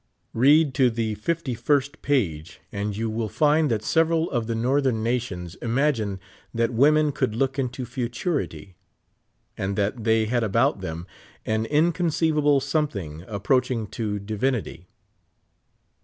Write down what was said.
Head to the fifty first page, and 3^ou will find that several of the northern nations imagined that women could look into futurity, and that they had about them an inconceivable something approaching to divinity.